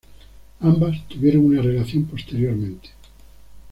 Ambas tuvieron una relación posteriormente.